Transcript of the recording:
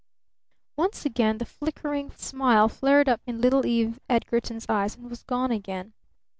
Once again the flickering smile flared up in little Eve Edgarton's eyes and was gone again.